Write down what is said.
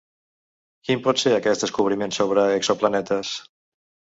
Quin pot ser aquest descobriment sobre exoplanetes?